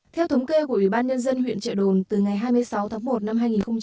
theo thống kê của ủy ban nhân dân huyện trợ đồn từ ngày hai mươi sáu tháng một năm hai nghìn hai mươi